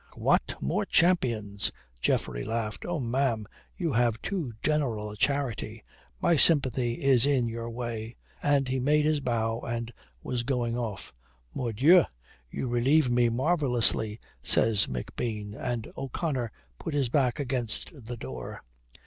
"What, more champions!" Geoffrey laughed. "Oh, ma'am, you have too general a charity. My sympathy is in your way," and he made his bow and was going off. "Mordieu, you relieve me marvellously," says McBean, and O'Connor put his back against the door.